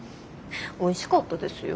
おいしかったですよ。